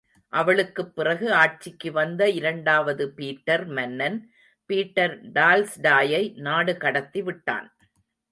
அவளுக்குப் பிறகு ஆட்சிக்கு வந்த இரண்டாவது பீட்டர் மன்னன், பீட்டர் டால்ஸ்டாயை நாடு கடத்தி விட்டான்.